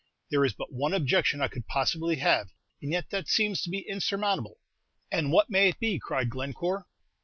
"There is but one objection I could possibly have, and yet that seems to be insurmountable." "And what may it be?" cried Glencore.